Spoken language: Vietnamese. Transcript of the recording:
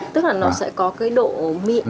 tức là nó sẽ có cái độ mịn